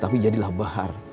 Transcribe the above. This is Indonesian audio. tapi jadilah bahar